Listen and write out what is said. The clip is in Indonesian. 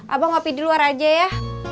abang ngopi di luar aja ya